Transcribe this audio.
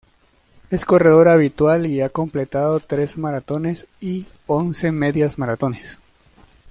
Es corredora habitual y ha completado tres maratones y once medias maratones.